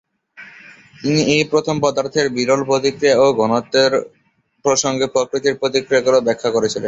তিনি এই প্রাথমিক পদার্থের বিরল প্রতিক্রিয়া এবং ঘনত্বের প্রসঙ্গে প্রাকৃতিক প্রক্রিয়াগুলি ব্যাখ্যা করেছিলেন।